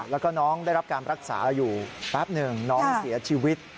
แล้วก็น้องได้รับการรักษาอยู่แป๊บหนึ่งน้องเสียชีวิต